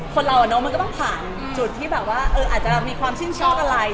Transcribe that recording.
คนเรามันก็ต้องผ่านจุดที่แบบว่าอาจจะมีความชื่นชอบอะไร